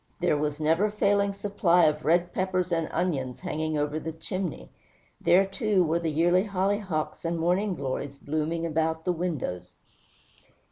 There was the never failing supply of red peppers and onions hanging over the chimney. There, too, were the yearly hollyhocks and morning glories blooming about the windows.